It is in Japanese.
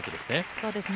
そうですね。